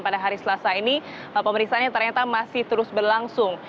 pada hari selesai ini pemeriksaan yang ternyata masih terus berlangsung